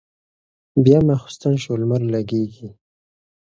بيا ماخستن شو لمر لګېږي